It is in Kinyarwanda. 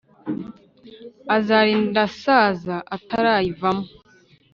azarinda asaza atarayivamo